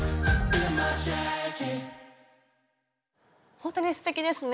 ほんとにすてきですね。